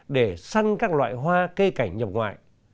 để săn các loại hoa cây cảnh nhập ngoại